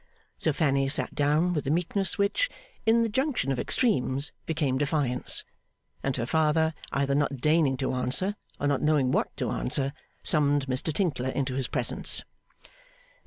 So, Fanny sat down with a meekness which, in the junction of extremes, became defiance; and her father, either not deigning to answer, or not knowing what to answer, summoned Mr Tinkler into his presence.